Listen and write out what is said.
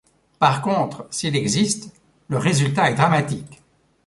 Par contre, s'il existe, le résultat est dramatique.